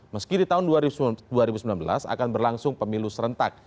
meski di tahun dua ribu sembilan belas akan berlangsung pemilu serentak